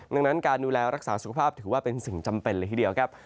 ดังนั้นการดูแลรักษาสุขภาพถือว่าเป็นสิ่งจำเป็นเลยทีเดียวครับ